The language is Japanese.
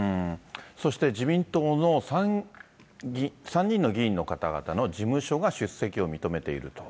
そして自民党の３人の議員の方々の事務所が出席を認めていると。